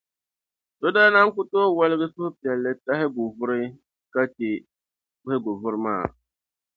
So daa naan ku tooi woligi suhupiɛlli tahigu vuri ka chɛ kuhigu vuri maa.